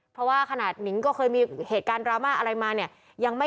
เพราะว่าขนาดนิงก็เคยมีเหตุการณ์ดราม่าอะไรมาเนี่ยยังไม่